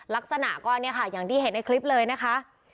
ลักษณะก็เนี่ยค่ะอย่างที่เห็นในคลิปเลยนะคะ